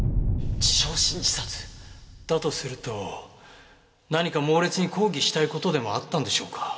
焼身自殺？だとすると何か猛烈に抗議したい事でもあったんでしょうか？